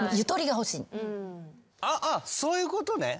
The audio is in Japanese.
あっそういうことね。